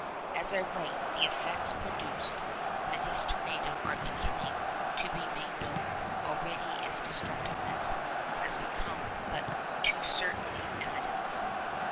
As I write, the effects produced by this tornado are beginning to be made known. Already its destructiveness has become but too certainly evidenced.